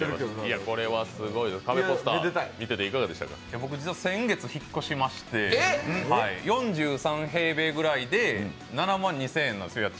僕は実は先月、引っ越しまして、４３平米くらいで７万２０００円なんですよ、家賃。